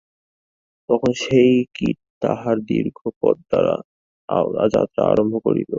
তখন সেই কীট তাহার দীর্ঘ পথ-যাত্রা আরম্ভ করিল।